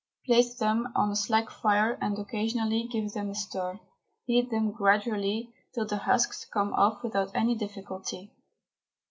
Place them on a slack fire and occasionally give them a stir. Heat them gradually till the husks come off without any difficulty.